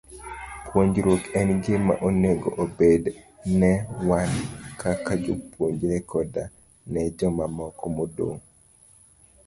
Puonjruok en gima onego obed ne wan kaka jopuonjre, koda ne jomamoko madongo.